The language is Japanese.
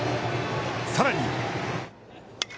さらに。